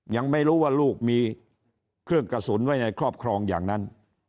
ยังไม่รู้ว่าลูกมีเครื่องกระสุนไว้ในครอบครองอย่างนั้น